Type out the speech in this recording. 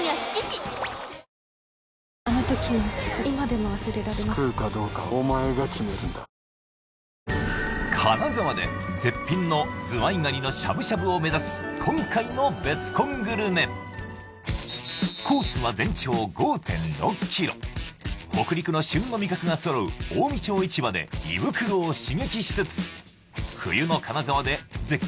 もう金沢で絶品のズワイガニのしゃぶしゃぶを目指す今回のベスコングルメコースは全長５．６ｋｍ北陸の旬の味覚がそろう近江町市場で胃袋を刺激しつつ冬の金沢で絶景